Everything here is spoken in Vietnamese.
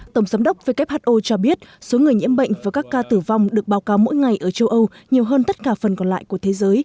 tổng giám đốc who cho biết số người nhiễm bệnh và các ca tử vong được báo cáo mỗi ngày ở châu âu nhiều hơn tất cả phần còn lại của thế giới